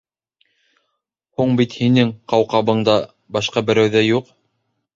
Һуң бит һинең ҡауҡабыңда башҡа берәү ҙә юҡ!